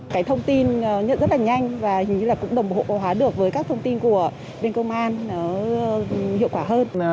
cái thông tin nhận rất là nhanh và hình như là cũng đồng bộ hóa được với các thông tin của bên công an nó hiệu quả hơn